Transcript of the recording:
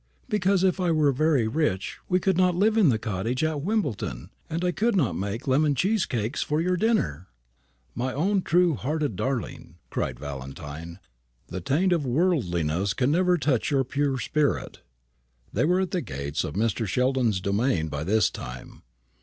"Because, if I were very rich, we could not live in the cottage at Wimbledon, and I could not make lemon cheese cakes for your dinner." "My own true hearted darling!" cried Valentine; "the taint of worldliness can never touch your pure spirit." They were at the gates of Mr. Sheldon's domain by this time.